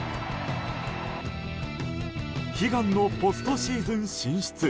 悲願のポストシーズン進出。